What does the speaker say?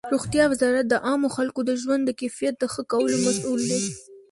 روغتیا وزارت د عامو خلکو د ژوند د کیفیت د ښه کولو مسؤل دی.